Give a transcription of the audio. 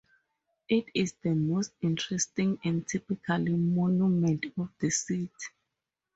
It is the most interesting and typical monument of the city.